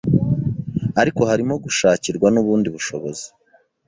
ariko harimo gushakirwa n’ubundi bushobozi